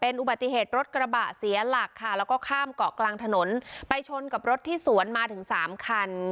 อุบัติเหตุรถกระบะเสียหลักค่ะแล้วก็ข้ามเกาะกลางถนนไปชนกับรถที่สวนมาถึงสามคัน